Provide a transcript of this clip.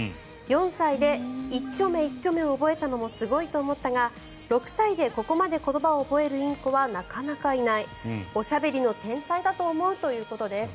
４歳でいっちょめ、いっちょめを覚えたのもすごいと思ったが６歳でここまで言葉を覚えるインコはなかなかいないおしゃべりの天才だと思うということです。